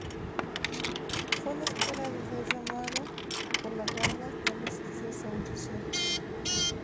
Fue la espera de ser llamado por la Garda cuando surgió su audición.